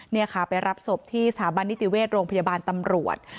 นี่ค่ะไปรับศพที่สถาบันนิติเวชโรงพยาบาลตำรวจ